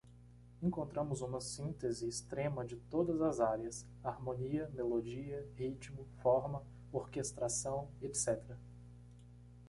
Encontramos uma síntese extrema de todas as áreas: harmonia, melodia, ritmo, forma, orquestração, etc.